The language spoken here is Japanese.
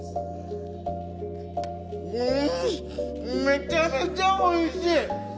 めちゃめちゃおいしい！